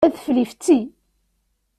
Adfel ifetti.